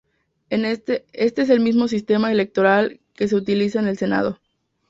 Este es el mismo sistema electoral que se utiliza en el Senado.